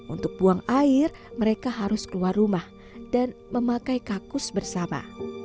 untuk buang air mereka harus keluar rumah dan memakai kakus bersama